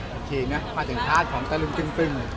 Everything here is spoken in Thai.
มาจากท่านของตะรึงตึงตึง